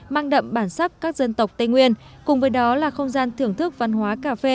mang đậm bản sắc các dân tộc tây nguyên cùng với đó là không gian thưởng thức văn hóa cà phê